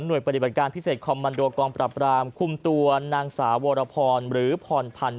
โดยปฏิบัติการพิเศษคอมมันโดกองปรับรามคุมตัวนางสาววรพรหรือพรพันธ์